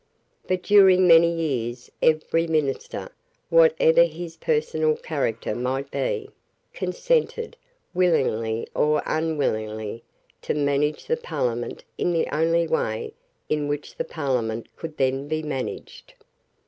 But during many years every minister, whatever his personal character might be, consented, willingly or unwillingly, to manage the Parliament in the only way in which the Parliament could then be managed.